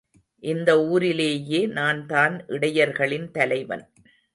இந்த ஊரிலேயே நான்தான் இடையர்களின் தலைவன்.